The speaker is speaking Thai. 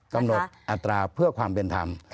กำหนดอัตราเพื่อความเป็นธรรม